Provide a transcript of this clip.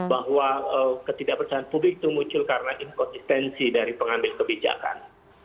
bahwa ketidakpercayaan publik itu muncul karena inkonsistensi dari pengambil kebijakan